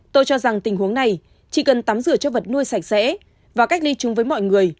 tôi cho rằng tình huống này chỉ cần tắm rửa cho vật nuôi sạch sẽ và cách ly chung với mọi người